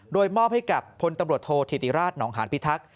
โดยมอบให้กับพลตำรวจโทษธิติราชหนองหานพิทักษ์